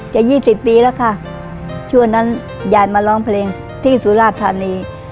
ยี่สิบปีแล้วค่ะช่วงนั้นยายมาร้องเพลงที่สุราธานี